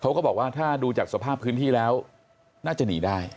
ก็บอกว่าถ้าดูจากสภาพพื้นที่แล้วน่าจะหนีได้